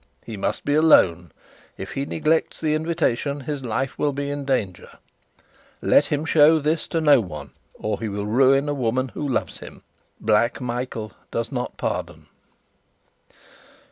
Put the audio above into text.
He must be alone. If he neglects the invitation his life will be in danger. Let him show this to no one, or he will ruin a woman who loves him: Black Michael does not pardon."